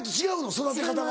育て方が。